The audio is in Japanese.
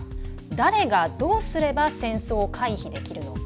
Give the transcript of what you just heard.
「誰がどうすれば戦争を回避できるのか」。